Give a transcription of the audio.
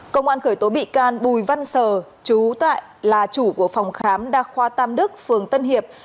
công an khởi tố bị can bùi văn sờ trú tại là chủ của phòng khám đa khoa tam đức phường tân hiệp